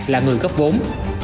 là người góp vốn